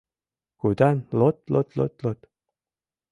Кутан лот-лот-лот-лот